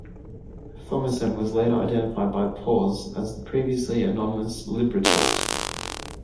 Thommessen was later identified by Paus as the previously anonymous librettist.